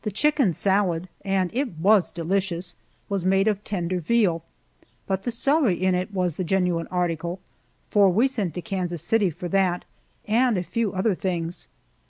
The chicken salad and it was delicious was made of tender veal, but the celery in it was the genuine article, for we sent to Kansas City for that and a few other things.